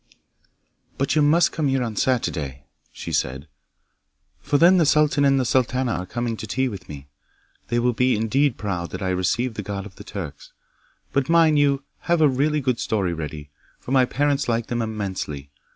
'But you must come here on Saturday,' she said, 'for then the sultan and the sultana are coming to tea with me. They will be indeed proud that I receive the god of the Turks. But mind you have a really good story ready, for my parents like them immensely.